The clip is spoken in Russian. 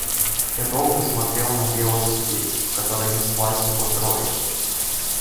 Я долго смотрел на белую степь, по которой неслась его тройка.